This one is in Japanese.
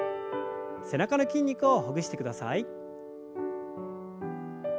背中の筋肉をほぐしてください。